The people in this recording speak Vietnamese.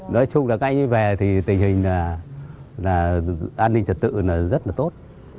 nói chung là các anh về thì tình hình là an ninh trả tự rất là tốt